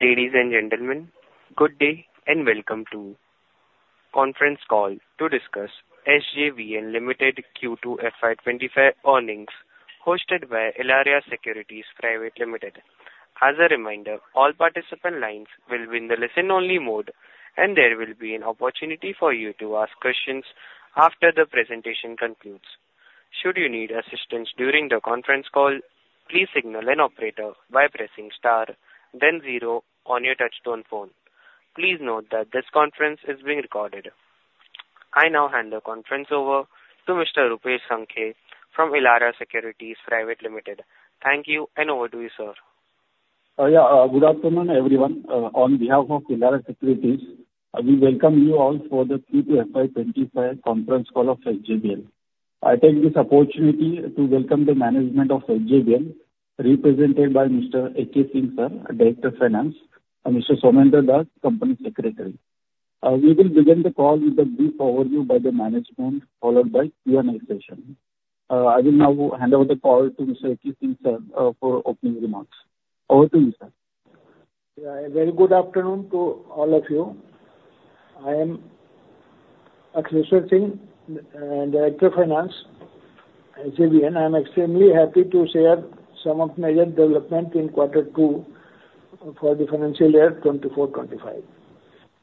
Ladies and gentlemen, good day and welcome to conference call to discuss SJVN Limited Q2 FY25 earnings, hosted by Elara Securities Private Limited. As a reminder, all participant lines will be in the listen-only mode, and there will be an opportunity for you to ask questions after the presentation concludes. Should you need assistance during the conference call, please signal an operator by pressing star, then zero on your touchtone phone. Please note that this conference is being recorded. I now hand the conference over to Mr. Rupesh Sankhe from Elara Securities Private Limited. Thank you, and over to you, sir. Yeah, good afternoon, everyone. On behalf of Elara Securities, we welcome you all for the Q2 FY25 conference call of SJVN. I take this opportunity to welcome the management of SJVN, represented by Mr. Akhileshwar. Singh Sir, Director of Finance, and Mr. Soumendra Das, Company Secretary. We will begin the call with a brief overview by the management, followed by a Q&A session. I will now hand over the call to Mr. Akhileshwar. Singh Sir for opening remarks. Over to you, sir. Yeah, a very good afternoon to all of you. I am Akhileshwar Singh, Director of Finance at SJVN. I'm extremely happy to share some of the major developments in Q2 for the financial year 2024-25.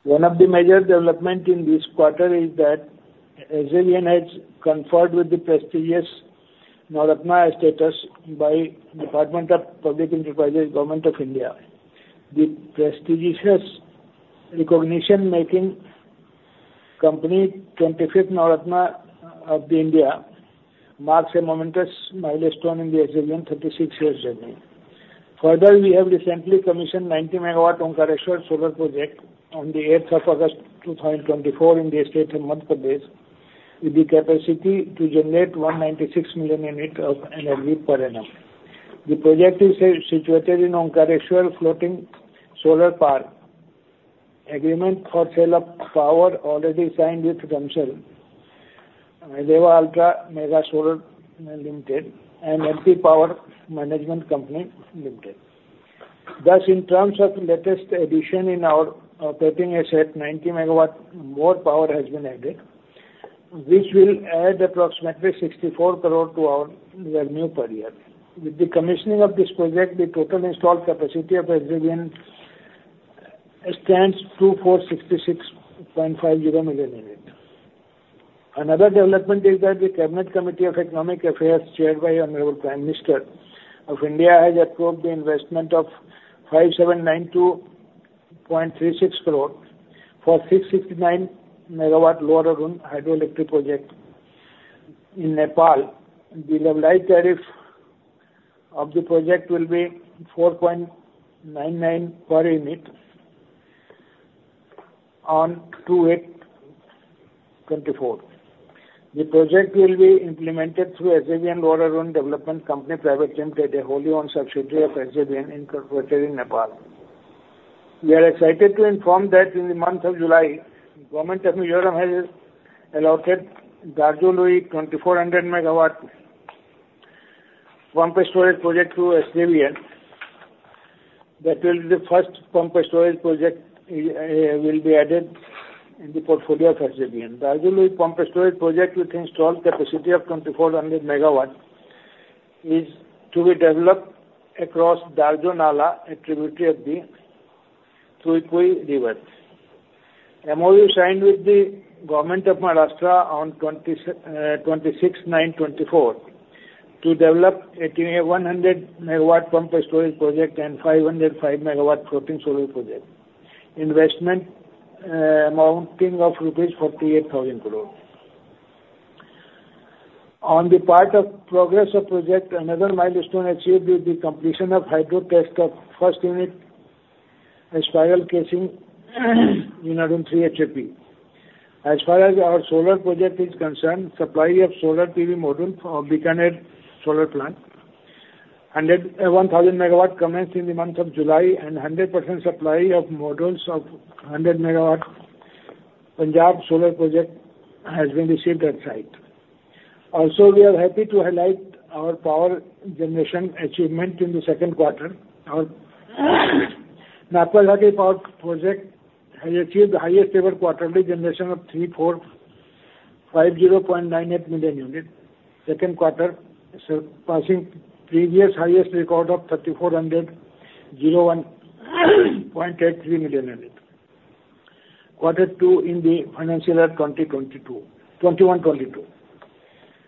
One of the major developments in this quarter is that SJVN has been conferred with the prestigious Navratna status by the Department of Public Enterprises, Government of India. The prestigious recognition making the company the 25th Navratna of India marks a momentous milestone in the SJVN 36-year journey. Further, we have recently commissioned a 90-megawatt Omkareshwar solar project on the 8th of August 2024 in the state of Madhya Pradesh, with the capacity to generate 196 million units of energy per annum. The project is situated in Omkareshwar Floating Solar Park. Agreement for sale of power is already signed with Rewa Ultra Mega Solar Limited and MP Power Management Company Limited. Thus, in terms of the latest addition in our operating asset, 90 megawatts more power has been added, which will add approximately 64 crore to our revenue per year. With the commissioning of this project, the total installed capacity of SJVN stands at 2,466.50 MW. Another development is that the Cabinet Committee of Economic Affairs, chaired by the Honorable Prime Minister of India, has approved the investment of INR 5,792.36 crore for a 669-MW Lower Arun hydroelectric project in Nepal. The levelized tariff of the project will be 4.99 per unit on 2/8/2024. The project will be implemented through SJVN Lower Arun Power Development Company Private Limited, a wholly-owned subsidiary of SJVN, incorporated in Nepal. We are excited to inform that in the month of July, the Government of Mizoram has allotted Darzo Lui 2,400-MW pumped storage project to SJVN. That will be the first pumped storage project that will be added in the portfolio of SJVN. The Darzo Lui pumped storage project, with the installed capacity of 2,400 megawatts, is to be developed across Darzo Lui, a tributary of the Tuipui River. MOU was signed with the Government of Maharashtra on 26/9/2024 to develop a 100-megawatt pumped storage project and 505-megawatt floating solar project. Investment amounting to rupees 48,000 crore. On the part of the progress of the project, another milestone achieved is the completion of the hydro test of the first unit spiral casing in Arun 3 HEP. As far as our solar project is concerned, the supply of solar PV modules from Bikaner Solar Plant, 1,000 megawatts, commenced in the month of July, and 100% supply of modules of 100 megawatts from the Punjab solar project has been received at site. Also, we are happy to highlight our power generation achievement in the second quarter. Our Nathpa Jhakri Power Project has achieved the highest-ever quarterly generation of 3,450.98 million units in the second quarter, surpassing the previous highest record of 3,400.01.83 million units in Q2 in the financial year 2021-22.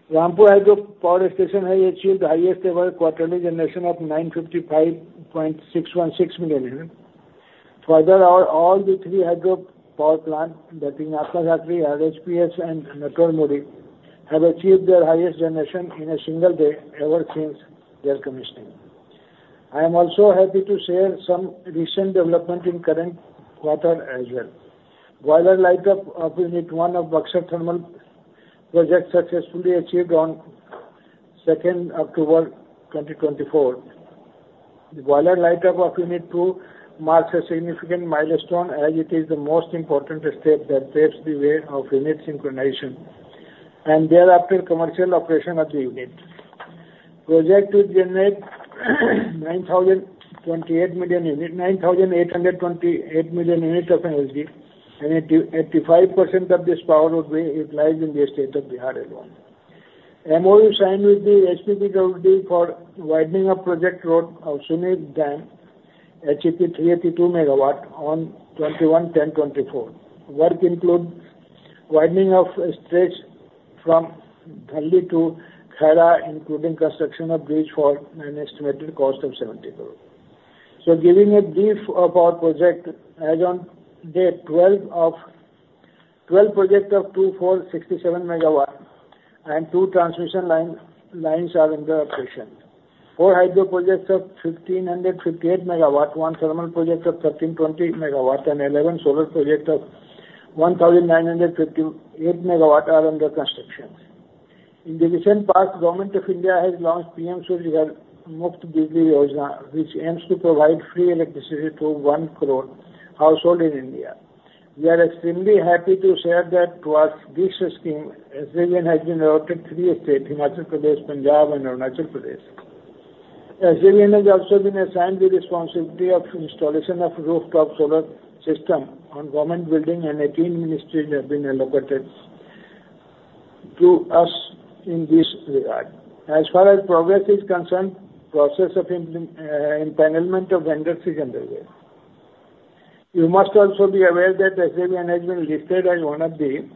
Rampur Hydro Power Station has achieved the highest-ever quarterly generation of 955.616 million units. Further, all the three hydro power plants, that is, Nathpa Jhakri, RHPS, and Naitwar Mori, have achieved their highest generation in a single day ever since their commissioning. I am also happy to share some recent developments in the current quarter as well. The boiler light-up of Unit 1 of Buxar Thermal Project was successfully achieved on 2nd October 2024. The boiler light-up of Unit 2 marks a significant milestone, as it is the most important step that paves the way for unit synchronization and thereafter commercial operation of the unit. The project will generate 9,828 million units of energy, and 85% of this power will be utilized in the state of Bihar alone. MOU was signed with the HP PWD for the widening of the project road of Sunni Dam HEP 382 megawatts on 21 October 2024. Work includes the widening of the stretch from Dhalli to Khaira, including the construction of a bridge for an estimated cost of 70 crore. So, giving a brief of our project, as of today, 12 projects of 2,467 megawatts and 2 transmission lines are under operation. Four hydro projects of 1,558 megawatts, one thermal project of 1,320 megawatts, and 11 solar projects of 1,958 megawatts are under construction. In the recent past, the Government of India has launched the PM Surya Ghar: Muft Bijli Yojana, which aims to provide free electricity to 1 crore households in India. We are extremely happy to share that, under this scheme, SJVN has been allotted to three states: Himachal Pradesh, Punjab, and Arunachal Pradesh. SJVN has also been assigned the responsibility of the installation of a rooftop solar system on the Government building, and 18 ministries have been allocated to us in this regard. As far as progress is concerned, the process of empanelment of vendors is underway. You must also be aware that SJVN has been listed as one of the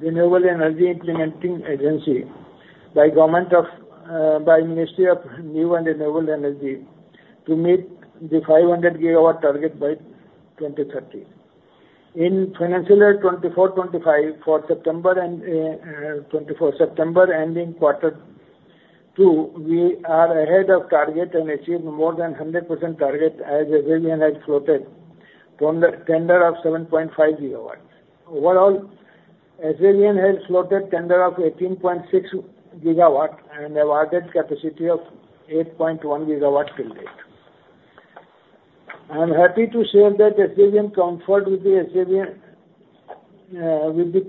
renewable energy implementing agencies by the Ministry of New and Renewable Energy to meet the 500-gigawatt target by 2030. In the financial year 24-25, for September and ending Q2, we are ahead of target and achieved more than 100% target, as SJVN has floated a tender of 7.5 gigawatts. Overall, SJVN has floated a tender of 18.6 gigawatts and awarded a capacity of 8.1 gigawatts till date. I am happy to share that SJVN conferred with the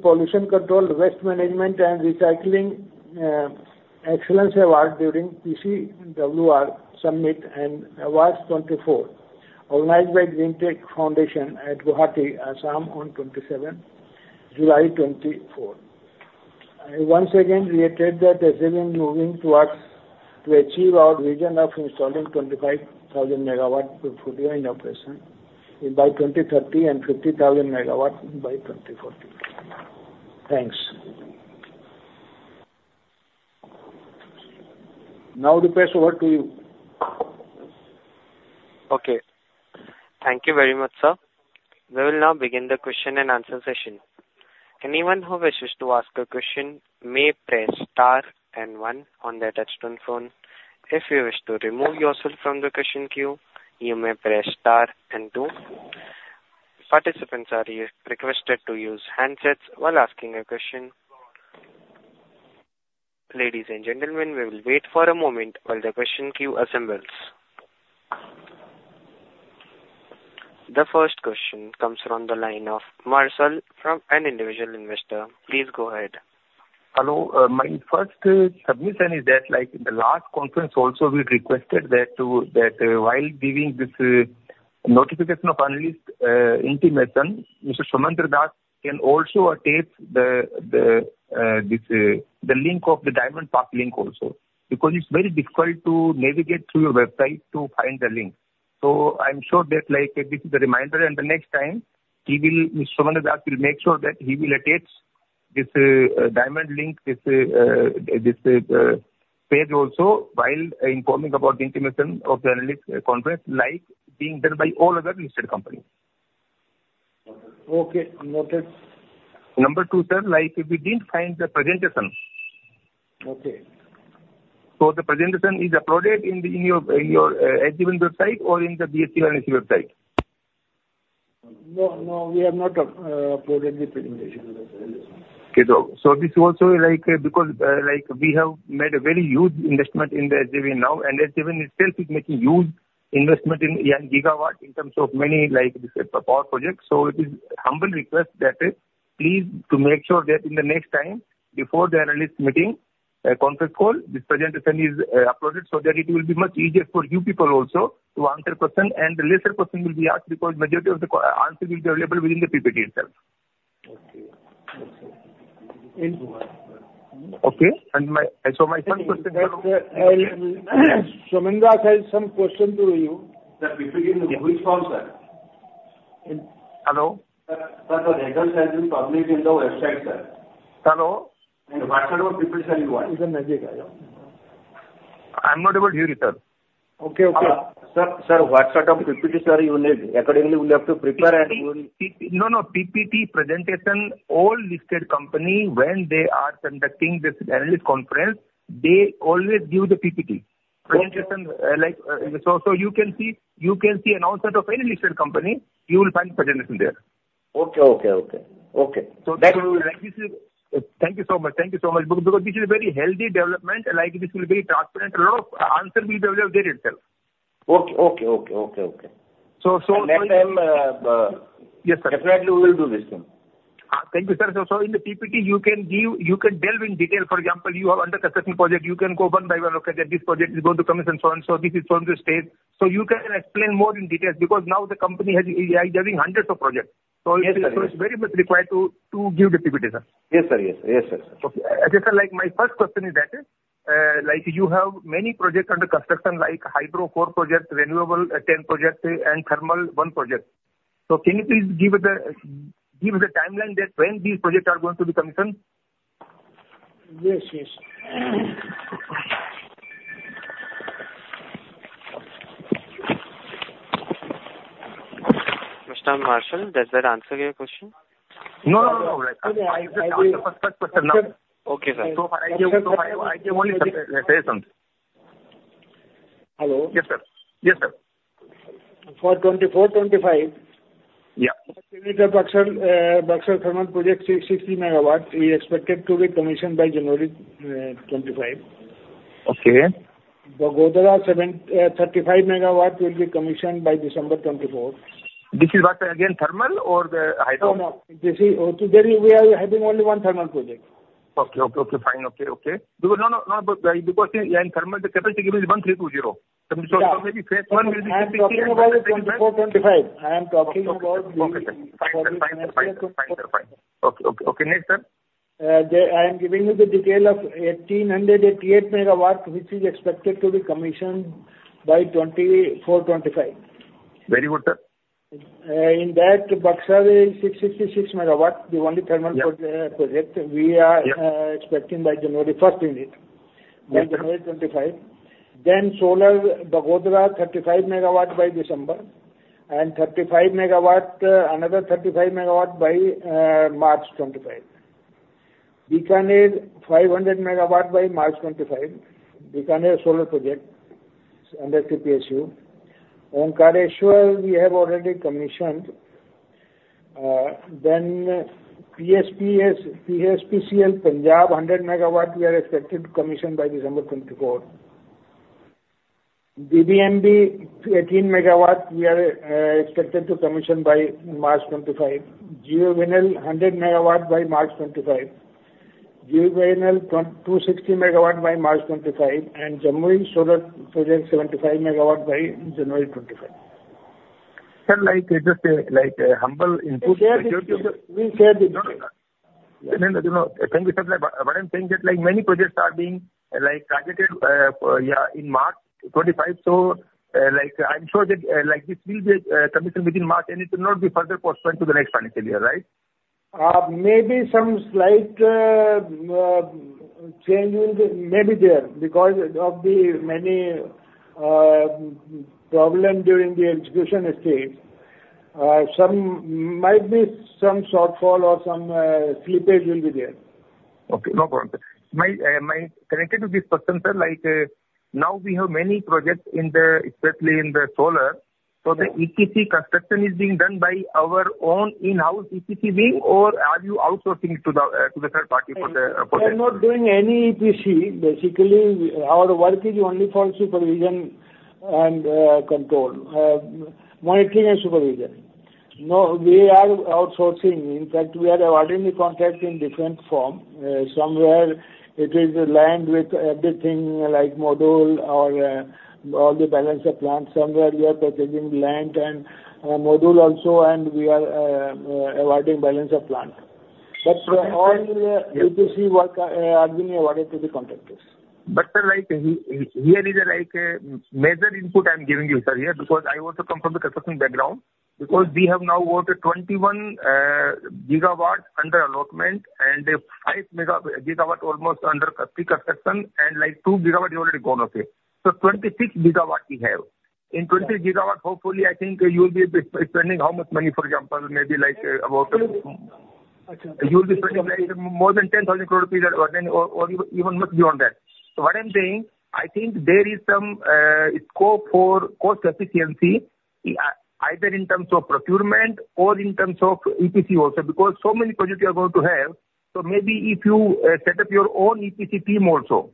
Pollution Control, Waste Management, and Recycling Excellence Award during the PCWR Summit and Awards 24, organized by the Greentech Foundation at Guwahati, Assam on 27 July 2024. I once again reiterate that SJVN is moving towards achieving our vision of installing 25,000 megawatts portfolio in operation by 2030 and 50,000 megawatts by 2040. Thanks. Now, Rupesh, over to you. Okay. Thank you very much, sir. We will now begin the question-and-answer session. Anyone who wishes to ask a question may press star and one on their touchtone phone. If you wish to remove yourself from the question queue, you may press star and two. Participants are requested to use handsets while asking a question. Ladies and gentlemen, we will wait for a moment while the question queue assembles. The first question comes from the line of Marsal from an individual investor. Please go ahead. Hello. My first submission is that, like in the last conference also, we requested that while giving this notification of earnings intimation, Mr. Soumendra Das can also attach the link of the Diamond Pass link also, because it's very difficult to navigate through your website to find the link. So I'm sure that this is a reminder, and the next time, Mr. Soumendra Das will make sure that he will attach this Diamond Pass link, this page also, while informing about the intimation of the earnings conference, like being done by all other listed companies. Okay. Noted. Number two, sir, if you didn't find the presentation. Okay. So the presentation is uploaded on your SJVN website or on the BSE and NSE website? No, no. We have not uploaded the presentation. Okay. So this is also because we have made a very huge investment in the SJVN now, and SJVN itself is making a huge investment in gigawatts in terms of many power projects. So it is a humble request that please make sure that in the next time, before the analyst meeting conference call, this presentation is uploaded so that it will be much easier for you people also to answer questions, and the lesser questions will be asked because the majority of the answers will be available within the PPT itself. Okay. Okay. And so my first question. Sir, Soumendra Das has some questions to you. The PPT, which one, sir? Hello? Sir, the headers have been published on the website, sir. Hello? The WhatsApp of PPT, sir? You want? I'm not able to hear you, sir. Okay, okay. Sir, what sort of PPT, sir, you need. Accordingly, we'll have to prepare and. No, no. PPT presentation. All listed companies, when they are conducting this analyst conference, they always give the PPT presentation. So you can see on the website of any listed company, you will find the presentation there. Okay. So, that will. Thank you so much. Thank you so much, because this is a very healthy development. This will be transparent. A lot of answers will be available there itself. Okay. So next time. Yes, sir. Definitely, we will do this thing. Thank you, sir. So in the PPT, you can delve into detail. For example, you have an under construction project. You can go one by one and look at this project is going to commence and so on. So this is going to stay. So you can explain more in detail because now the company is having hundreds of projects. So it's very much required to give the PPT, sir. Yes, sir. Yes, sir. Yes, sir. Okay. Just my first question is that you have many projects under construction, like hydro four projects, renewable ten projects, and thermal one project. So can you please give the timeline that when these projects are going to be commissioned? Yes, yes. Mr. Marsal, does that answer your question? No, no, no. I just asked the first question. Okay, sir. So I just want to say something. Hello? Yes, sir. Yes, sir. For 24-25. Yeah. Buxar Thermal Project, 660 megawatts, we expected to be commissioned by January 25. Okay. Bagodara, 35 megawatts will be commissioned by December 24. This is, again, thermal or the hydro? No, no. We are having only one thermal project. Okay. Fine. No. Because in thermal, the capacity given is 1320. So maybe phase one will be completed. 24-25. I am talking about. Okay, sir. Fine. Okay. Next, sir? I am giving you the detail of 1,888 megawatts, which is expected to be commissioned by 2024-25. Very good, sir. In that, Buxar is 666 megawatts, the only thermal project we are expecting by January 1st, 2025. Then January 2025. Then solar, Bagodara, 35 megawatts by December 2024, and 35 megawatts, another 35 megawatts by March 2025. Bikaner, 500 megawatts by March 2025. Bikaner solar project under TPSU. Omkareshwar, we have already commissioned. Then PSPCL Punjab, 100 megawatts, we are expected to commission by December 2024. BBMB, 18 megawatts, we are expected to commission by March 2025. GUVNL, 100 megawatts by March 2025. GUVNL, 260 megawatts by March 2025. And Jamui solar project, 75 megawatts by January 2025. Sir, just a humble input. We shared it. No, no. Thank you, sir. But I'm saying that many projects are being targeted in March 2025. So I'm sure that this will be commissioned within March, and it will not be further postponed to the next financial year, right? Maybe some slight change will be maybe there because of the many problems during the execution stage. There might be some shortfall or some slippage will be there. Okay. No problem. Connected to this question, sir, now we have many projects, especially in the solar. So the EPC construction is being done by our own in-house EPC, or are you outsourcing it to the third party for the project? We are not doing any EPC. Basically, our work is only for supervision and control, monitoring and supervision. No, we are outsourcing. In fact, we are avoiding the contract in different forms. Somewhere, it is land with everything, like module or all the Balance of Plant. Somewhere, we are packaging land and module also, and we are avoiding Balance of Plant. But all EPC work are being awarded to the contractors. But sir, here is a major input I'm giving you, sir, here, because I also come from the construction background. Because we have now got 21 gigawatts under allotment and 5 megawatts almost under pre-construction, and 2 gigawatts is already gone. So 26 gigawatts we have. In 26 gigawatts, hopefully, I think you will be spending how much money, for example, maybe about you will be spending more than 10,000 or even much beyond that. So what I'm saying, I think there is some scope for cost efficiency, either in terms of procurement or in terms of EPC also, because so many projects you are going to have. So maybe if you set up your own EPC team also,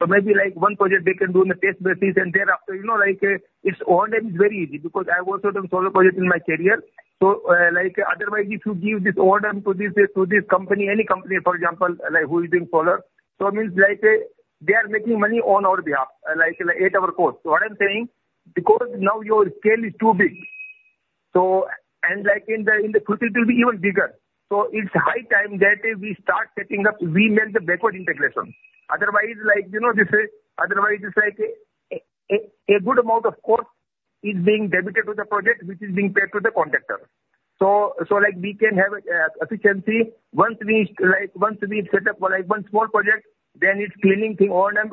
so maybe one project they can do on a test basis, and thereafter, it's order is very easy because I've also done solar projects in my career. So otherwise, if you give this order to this company, any company, for example, who is doing solar, so it means they are making money on our behalf, like at our cost. So what I'm saying, because now your scale is too big, and in the future, it will be even bigger. So it's high time that we start setting up, we make the backward integration. Otherwise, this is like a good amount of cost is being debited to the project, which is being paid to the contractor. So we can have efficiency once we set up one small project, then it's cleaning thing order.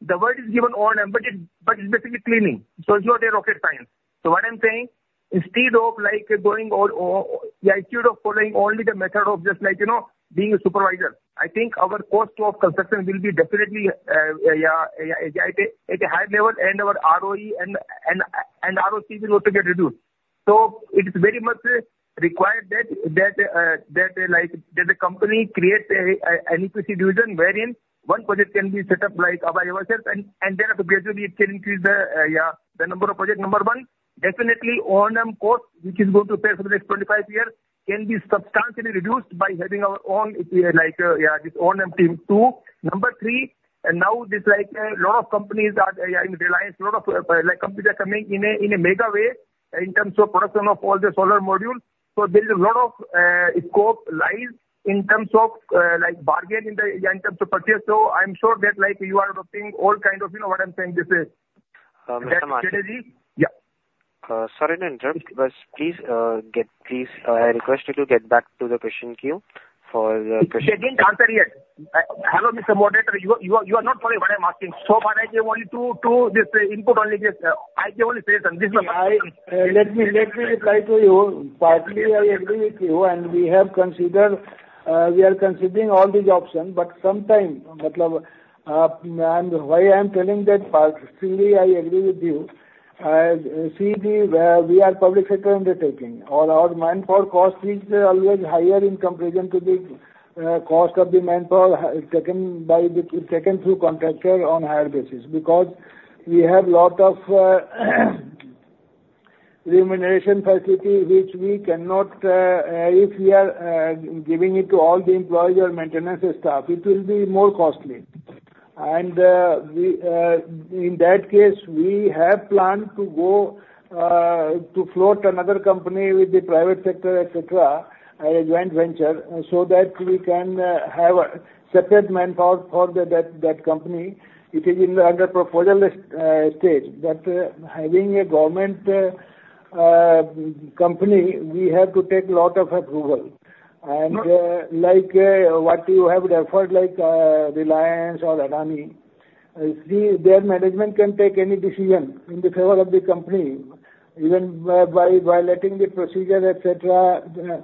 The word is given order, but it's basically cleaning. So it's not a rocket science. So what I'm saying, instead of going or instead of following only the method of just being a supervisor, I think our cost of construction will be definitely at a high level, and our ROE and ROC will also get reduced. So it is very much required that the company creates an EPC division, wherein one project can be set up by ourselves, and thereafter, gradually, it can increase the number of projects. Number one, definitely, O&M cost, which is going to pay for the next 25 years, can be substantially reduced by having our own O&M team. Two, number three, now a lot of companies are in reliance. A lot of companies are coming in a mega way in terms of production of all the solar modules. So there is a lot of scope lies in terms of bargain in terms of purchase. So I'm sure that you are adopting all kinds of what I'm saying. This is a strategy. Sir, in the interim, please, I request you to get back to the question queue for the question. You didn't answer yet. Hello, Mr. Moderator. You are not following what I'm asking. So what I gave only to this input only, I gave only three reasons. This is my question. Let me reply to you. Partly, I agree with you, and we are considering all these options, but sometimes, why I am telling that, partly, I agree with you. See, we are public sector undertaking, or our manpower cost is always higher in comparison to the cost of the manpower taken through contractor on a higher basis because we have a lot of remuneration facilities, which we cannot if we are giving it to all the employees or maintenance staff, it will be more costly. In that case, we have planned to go to float another company with the private sector, etc., a joint venture, so that we can have separate manpower for that company. It is in the under-proposal stage. Having a government company, we have to take a lot of approval. What you have referred, like Reliance or Adani, their management can take any decision in favor of the company, even violating the procedure, etc.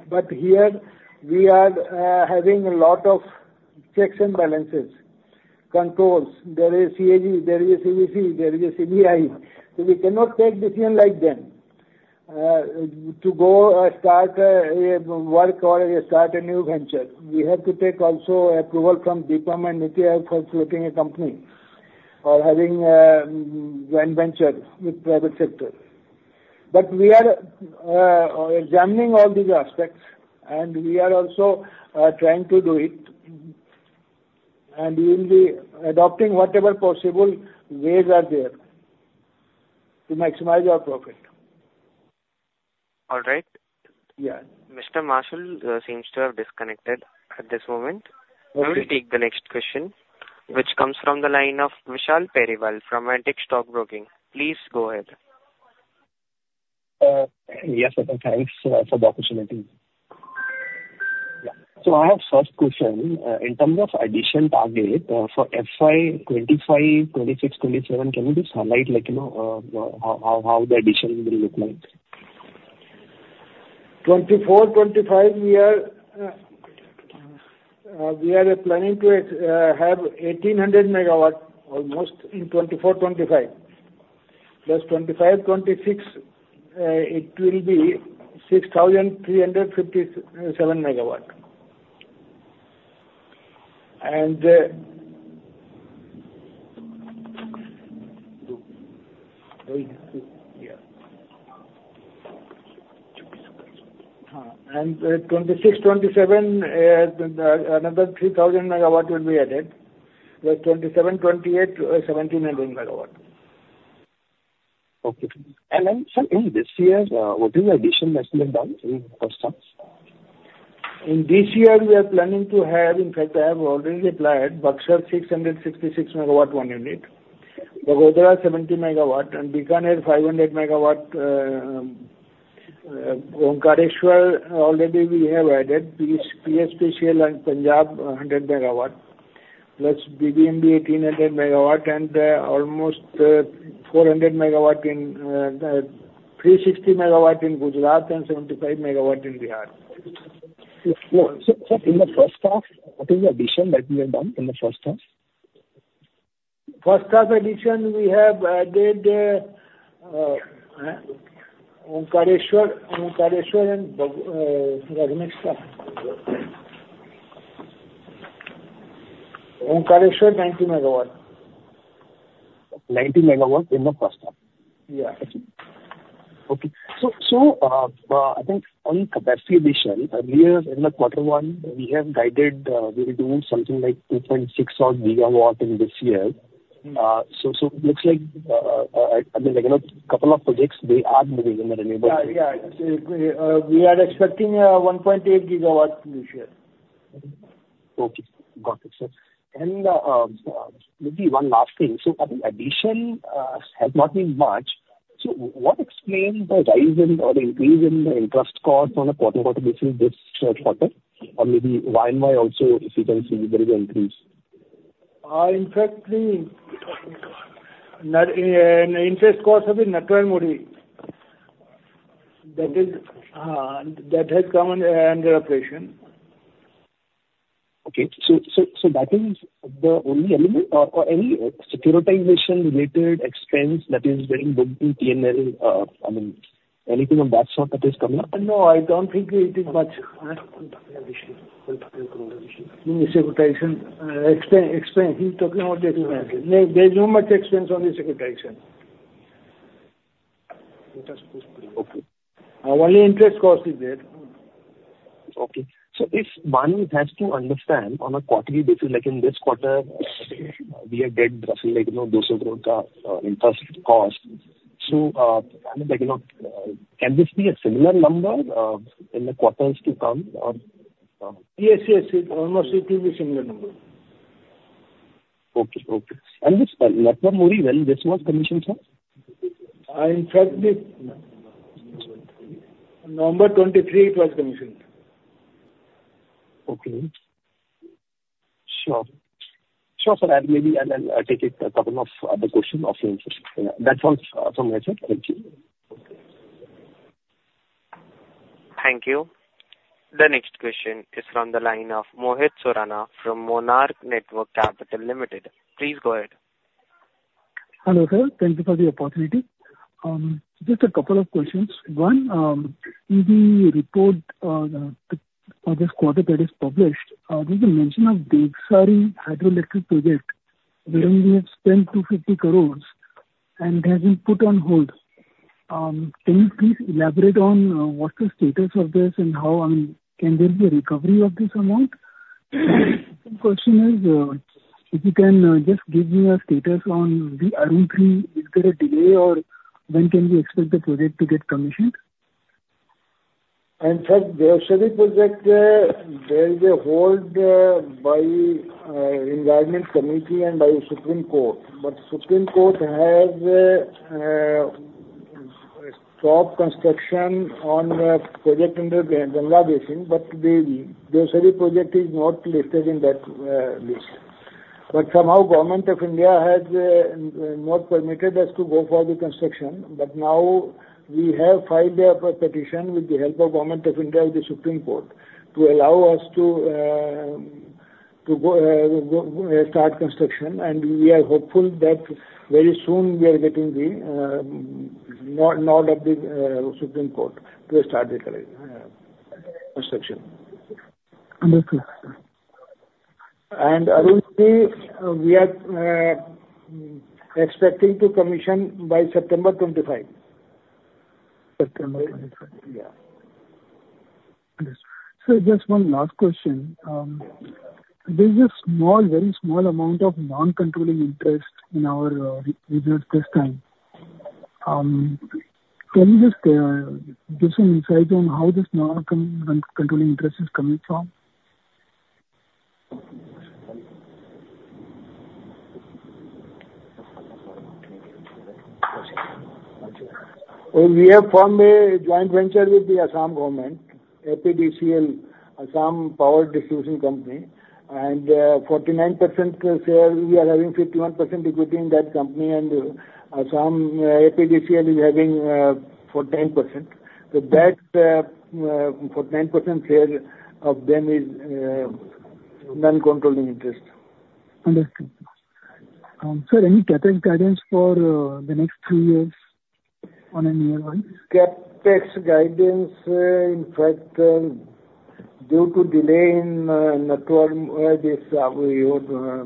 But here, we are having a lot of checks and balances, controls. There is CAG. There is CVC. There is CBI. So we cannot take decision like them to go start work or start a new venture. We have to take also approval from DIPAM and NITI Aayog for floating a company or having a joint venture with private sector. But we are examining all these aspects, and we are also trying to do it, and we will be adopting whatever possible ways are there to maximize our profit. All right. Mr. Marsal seems to have disconnected at this moment. I will take the next question, which comes from the line of Vishal Periwal from Antique Stock Broking. Please go ahead. Yes, sir. Thanks for the opportunity. So I have a first question. In terms of addition target for FY25, FY26, FY27, can you just highlight how the addition will look like? 2024-25, we are planning to have 1,800 megawatts almost in 2024-25. Plus 2025-26, it will be 6,357 megawatts. And 2026-27, another 3,000 megawatts will be added. Plus 2027-28, 1,700 megawatts. Okay. And sir, in this year, what is the addition estimate done in first terms? In this year, we are planning to have, in fact, I have already applied Buxar 666 megawatt one unit, Bagodara 70 megawatt, and Bikaner 500 megawatt. Omkareshwar, already we have added PSPCL and Punjab 100 megawatts. Plus BBMB 1,800 megawatt and almost 400 megawatt in 360 megawatt in Gujarat and 75 megawatt in Bihar. Sir, in the first half, what is the addition that you have done in the first half? First half addition, we have added Omkareshwar and Raghanesda. Omkareshwar, 90 megawatts. 90 megawatts in the first half. Yeah. Okay. So I think on capacity addition, earlier in the quarter one, we have guided we will do something like 2.6 or gigawatt in this year. So it looks like a couple of projects, they are moving in the renewable. Yeah, yeah. We are expecting 1.8 gigawatt this year. Okay. Got it, sir. And maybe one last thing. So addition has not been much. So what explains the rise or increase in the interest cost on a quarter-quarter basis this quarter? Or maybe why also if you can see there is an increase? In fact, the interest cost of the Naitwar Mori, that has come under operation. Okay. So that is the only element? Or any securitization-related expense that is getting booked in TNL? I mean, anything on that sort that is coming up? No, I don't think it is much. Securitization. Expense. He's talking about the expense. There is not much expense on the securitization. Okay. Only interest cost is there. Okay. So if one has to understand on a quarterly basis, like in this quarter, we are dead throttling the interest cost. So can this be a similar number in the quarters to come? Yes, yes. It will be similar number. Okay, okay, and this network module, this was commissioned from? In fact, November 23, it was commissioned. Okay. Sure. Sure, sir, and maybe I'll take a couple of other questions off the interview. That's all from my side. Thank you. Thank you. The next question is from the line of Mohit Sodhani from Monarch Networth Capital Limited. Please go ahead. Hello, sir. Thank you for the opportunity. Just a couple of questions. One, in the report for this quarter that is published, there's a mention of the Devsari hydroelectric project wherein we have spent 250 crores and it has been put on hold. Can you please elaborate on what's the status of this and how can there be a recovery of this amount? The second question is, if you can just give me a status on the Arun 3, is there a delay or when can we expect the project to get commissioned? In fact, the SJVN project, there is a hold by the Environment Committee and by the Supreme Court, but the Supreme Court has stopped construction on the project under the Bangladeshi, but the SJVN project is not listed in that list, but somehow, Government of India has not permitted us to go for the construction, but now, we have filed a petition with the help of Government of India with the Supreme Court to allow us to start construction, and we are hopeful that very soon, we are getting the nod of the Supreme Court to start the construction. Understood. Arun 3, we are expecting to commission by September 25. September 25. Yeah. Understood. Sir, just one last question. There's a small, very small amount of non-controlling interest in our reserves this time. Can you just give some insight on how this non-controlling interest is coming from? We have formed a joint venture with the Assam government, APDCL, Assam Power Distribution Company. And 49% share, we are having 51% equity in that company. And Assam APDCL is having 10%. So that 49% share of them is non-controlling interest. Understood. Sir, any CapEx guidance for the next three years on annual rise? CapEx guidance, in fact, due to delay in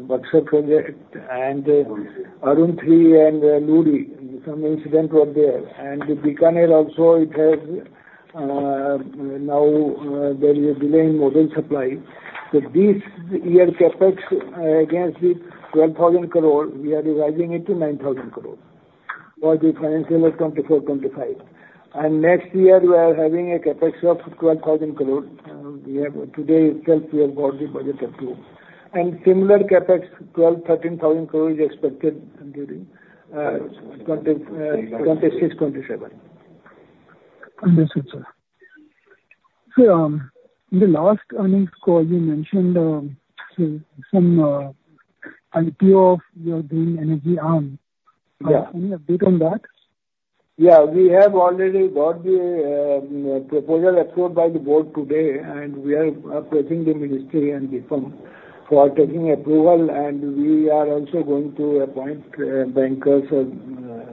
Bhakra project and Arun 3 and Luhri, some incident was there. Bikaner also, now there is a delay in module supply. This year, CapEx against the 12,000 crore, we are revising it to 9,000 crore for the financial of 2024-25. Next year, we are having a CapEx of 12,000 crore. Today itself, we have got the budget approved. Similar CapEx, 12,000-13,000 crore is expected during 2026-27. Understood, sir. Sir, in the last earnings call, you mentioned some IPO of your green energy arm. Can you update on that? Yeah. We have already got the proposal approved by the board today, and we are approaching the ministry and the firm for taking approval, and we are also going to appoint bankers and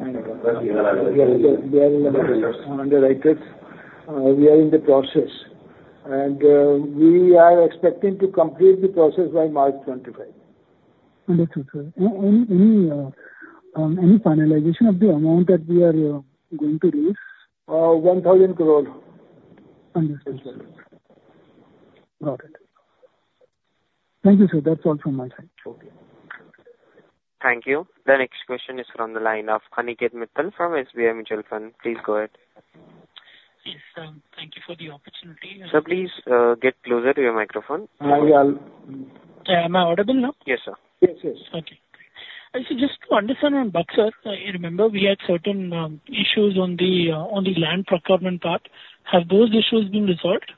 underwriters. We are in the process, and we are expecting to complete the process by March 25. Understood, sir. Any finalization of the amount that we are going to raise? 1,000 crore. Understood, sir. Got it. Thank you, sir. That's all from my side. Okay. Thank you. The next question is from the line of Aniket Mittal from SBI Mutual Fund. Please go ahead. Yes, sir. Thank you for the opportunity. Sir, please get closer to your microphone. Am I audible now? Yes, sir. Yes, yes. Okay. So just to understand on Bhakra, remember we had certain issues on the land procurement part. Have those issues been resolved?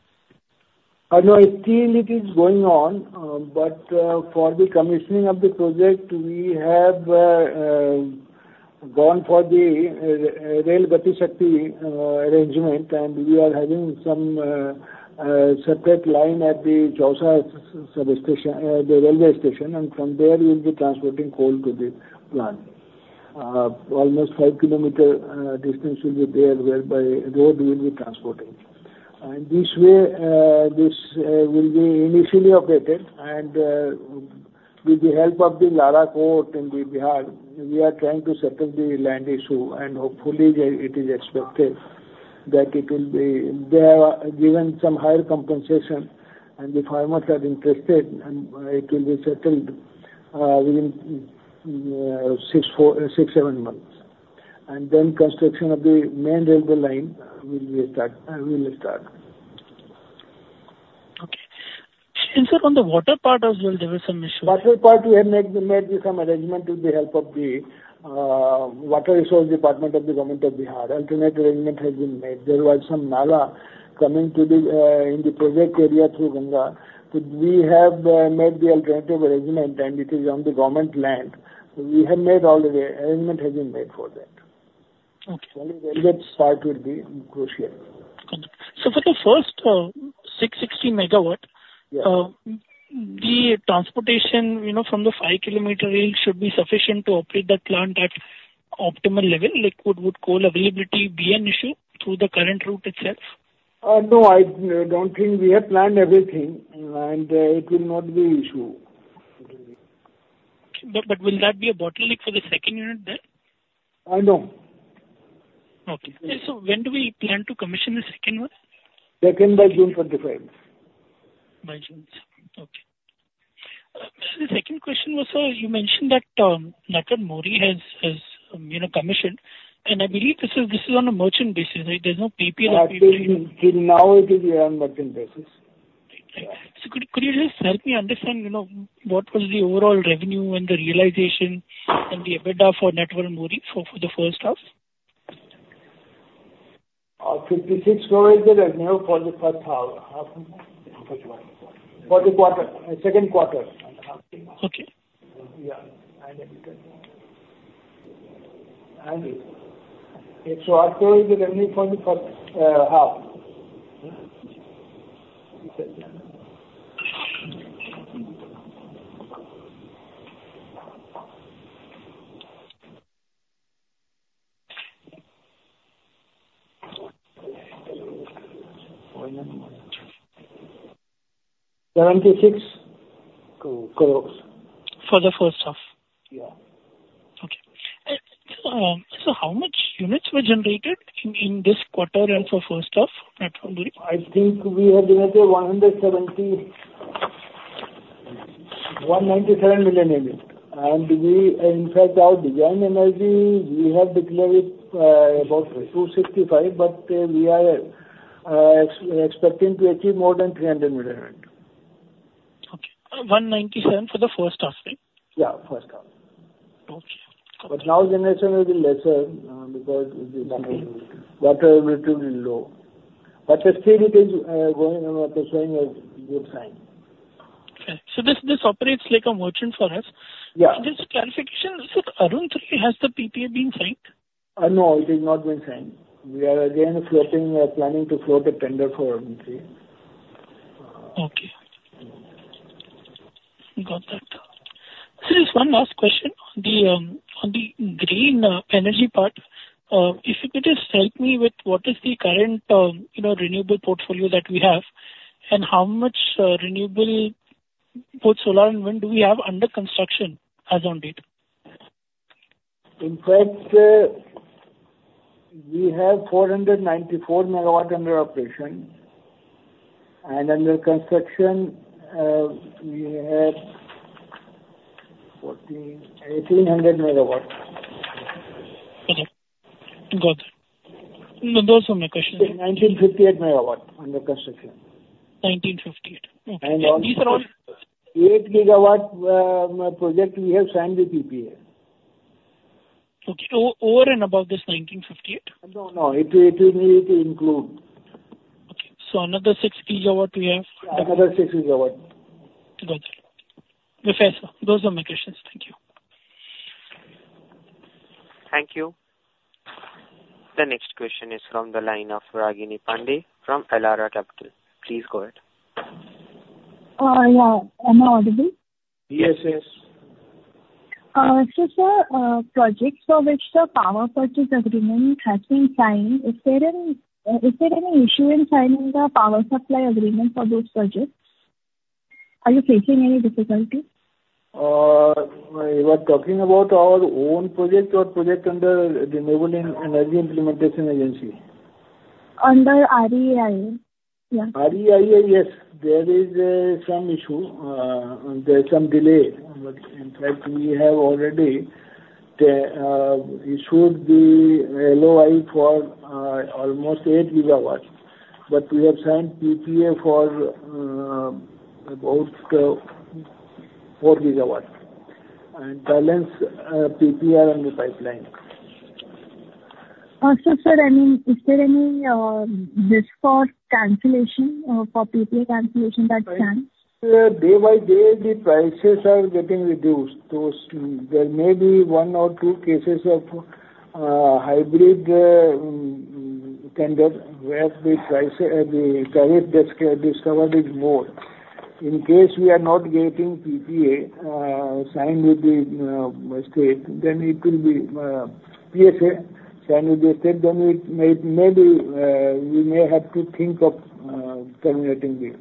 No, still it is going on. But for the commissioning of the project, we have gone for the PM Gati Shakti arrangement for rail, and we are having some separate line at the Chausa railway station. And from there, we'll be transporting coal to the plant. Almost 5 km distance will be there, where by road we'll be transporting. And this way, this will be initially operated. And with the help of the local court in Bihar, we are trying to settle the land issue. And hopefully, it is expected that it will be given some higher compensation. And the farmers are interested. It will be settled within six, seven months. And then construction of the main railway line will start. Okay. And sir, on the water part as well, there were some issues. Water part, we have made some arrangement with the help of the Water Resources Department of the Government of Bihar. Alternate arrangement has been made. There was some nala coming in the project area through Ganga. We have made the alternative arrangement, and it is on the government land. We have made all the arrangement for that. Only the railroad part will be crucial. So for the first 660 megawatt, the transportation from the 5-kilometer rail should be sufficient to operate the plant at optimal level? Would coal availability be an issue through the current route itself? No, I don't think we have planned everything, and it will not be an issue. But will that be a bottleneck for the second unit then? No. Okay. So when do we plan to commission the second one? Second, by June 25. By June. Okay. The second question was, sir, you mentioned that Naitwar Mori has commissioned. And I believe this is on a merchant basis. There's no PPA or PSA. Not till now, it is on a merchant basis. Could you just help me understand what was the overall revenue and the realization and the EBITDA for Monarch Networth Capital for the first half? 56 crores revenue for the first half. For the second quarter. Okay. Yeah. And it's also the revenue for the first half. 76 crores. For the first half. Yeah. Okay. So how much units were generated in this quarter and for first half, Net Worth Muri? I think we have generated 197 million units. In fact, our design energy, we have declared about 265, but we are expecting to achieve more than 300 million. Okay. 197 for the first half, right? Yeah, first half. Okay. But now, generation will be lesser because water is relatively low. But still, it is going on. Water is showing a good sign. Okay. So this operates like a merchant for us. Yeah. Just clarification, sir, Arun 3, has the PPA been signed? No, it has not been signed. We are again planning to float a tender for Arun 3. Okay. Got that. Sir, just one last question. On the green energy part, if you could just help me with what is the current renewable portfolio that we have and how much renewable, both solar and wind, do we have under construction as of date? In fact, we have 494 megawatts under operation, and under construction, we have 1,800 megawatts. Okay. Got it. No, those are my questions. 1,958 megawatts under construction. 1,958. Okay. These are all. Eight gigawatt project we have signed with PPA. Okay. Over and above this 1,958? No, no. It will need to include. Okay, so another six gigawatt we have. Another six gigawatt. Got it. Okay. Those are my questions. Thank you. Thank you. The next question is from the line of Ragini Pandey from Elara Capital. Please go ahead. Yeah. Am I audible? Yes, yes. So, sir, projects for which the power purchase agreement has been signed, is there any issue in signing the power supply agreement for those projects? Are you facing any difficulties? We were talking about our own project or project under the Renewable Energy Implementing Agency? Under REIA. Yeah. REIA, yes. There is some issue. There is some delay. In fact, we have already issued the LOI for almost 8 gigawatts. But we have signed PPA for about 4 gigawatts. And balance PPA in the pipeline. Also, sir, I mean, is there any risk for cancellation or for PPA cancellation that stands? Day by day, the prices are getting reduced. There may be one or two cases of hybrid tender where the credit that's discovered is more. In case we are not getting PPA signed with the state, then it will be PSA signed with the state. Then maybe we may have to think of terminating the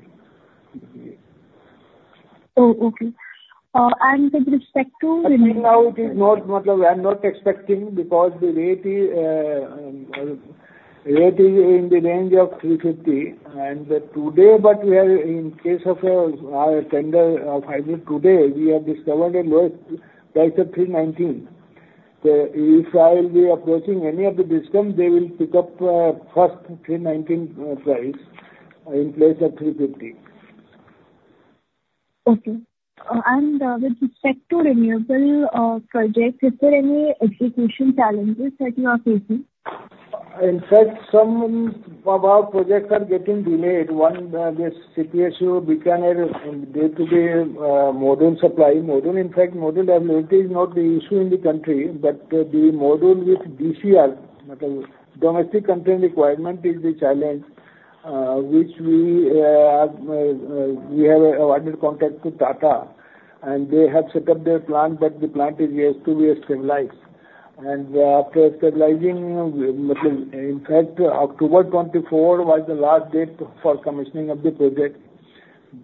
PPA. Oh, okay. And with respect to. Right now, it is not. I'm not expecting because the rate is in the range of 350. Today, but in the case of our hybrid tender today, we have discovered a lower price of 319. If I'll be approaching any of the developers, they will pick up first 319 price in place of 350. Okay. And with respect to renewable projects, is there any execution challenges that you are facing? In fact, some of our projects are getting delayed. One is CPSU, Bikaner, and day-to-day module supply. In fact, module availability is not the issue in the country. But the module with DCR, Domestic Content Requirement, is the challenge which we have a wider contact with Tata. And they have set up their plant, but the plant is yet to be stabilized. And after stabilizing, in fact, October 24 was the last date for commissioning of the project.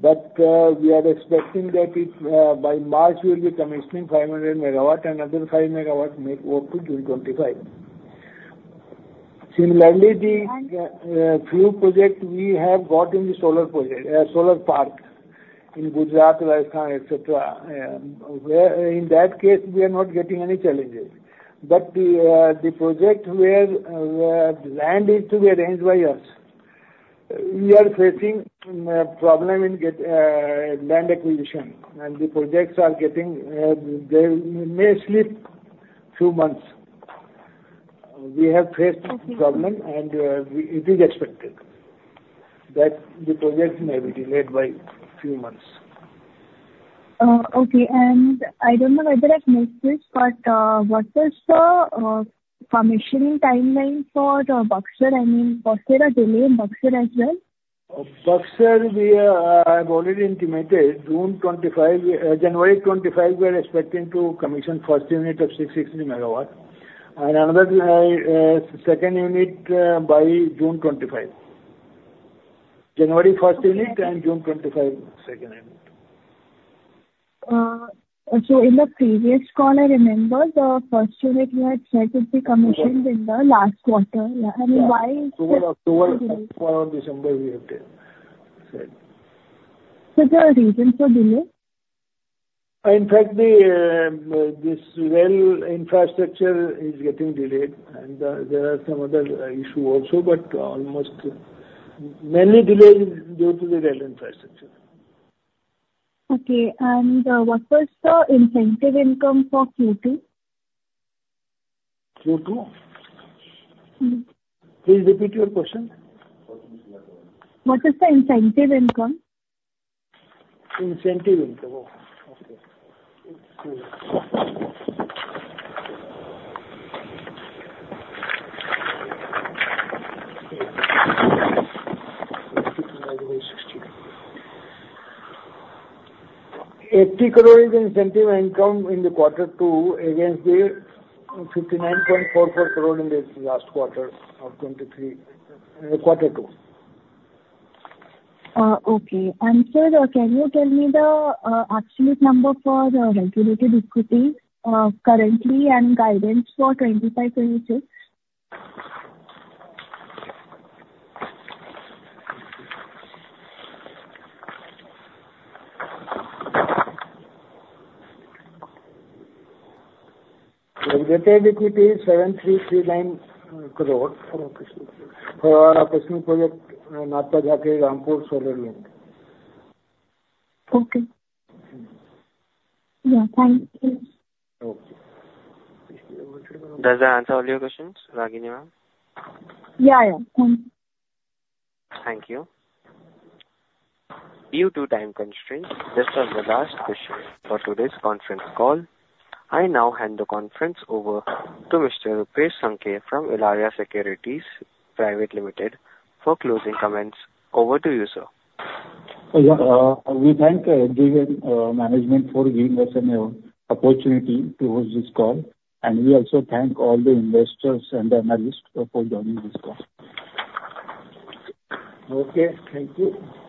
But we are expecting that by March, we'll be commissioning 500 megawatts. Another 5 megawatts may go to June 25. Similarly, the few projects we have got in the solar parks in Gujarat, Rajasthan, etc., where in that case, we are not getting any challenges. But the project where the land is to be arranged by us, we are facing a problem in land acquisition. The projects are getting delayed. They may slip a few months. We have faced a problem, and it is expected that the project may be delayed by a few months. Okay and I don't know whether I've missed this, but what was the commissioning timeline for Bhakra? I mean, was there a delay in Bhakra as well? Buxar, we have already intimated. January 25, we are expecting to commission first unit of 660 megawatts, and another second unit by June 25. January 1st unit and June 25 second unit. And so in the previous call, I remember the first unit you had said would be commissioned in the last quarter. I mean, why? October, December, we have said. Is there a reason for delay? In fact, this rail infrastructure is getting delayed, and there are some other issues also, but almost mainly delayed due to the rail infrastructure. Okay, and what was the incentive income for Q2? Q2? Mm-hmm. Please repeat your question. What was the incentive income? Incentive income. Okay. INR 80 crores in incentive income in quarter two against the 59.44 crore in the last quarter of Q3, quarter two. Okay. And sir, can you tell me the absolute number for Regulated Equity currently and guidance for 25-26? Regulated equity INR 7,339 crore for our operational project, Nathpa Jhakri-Rampur Solar Link. Okay. Yeah. Thank you. Okay. Does that answer all your questions, Ragini ma'am? Yeah, yeah. Thank you. Thank you. Due to time constraints, this was the last question for today's conference call. I now hand the conference over to Mr. Rupesh Sankhe from Elara Securities Private Limited for closing comments. Over to you, sir. We thank SJVN management for giving us an opportunity to host this call. And we also thank all the investors and analysts for joining this call. Okay. Thank you.